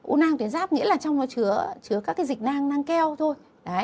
u nang tuyến giáp nghĩa là trong nó chứa các cái dịch nang nang keo thôi